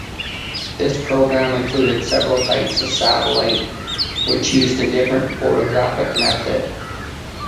This program included several types of satellite which used a different photographic method.